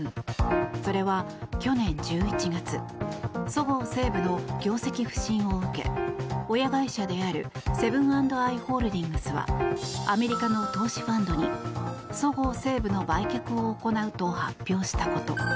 それは、去年１１月そごう・西武の業績不振を受け親会社であるセブン＆アイ・ホールディングスはアメリカの投資ファンドにそごう・西武の売却を行うと発表したこと。